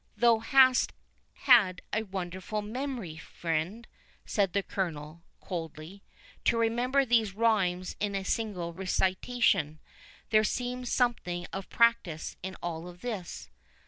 "Thou hast had a wonderful memory, friend," said the Colonel, coldly, "to remember these rhymes in a single recitation—there seems something of practice in all this."